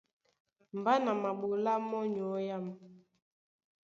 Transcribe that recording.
Mbá na maɓolá mɔ́ nyɔ̌ âm.